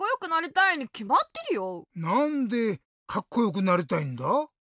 なんでカッコよくなりたいんだ？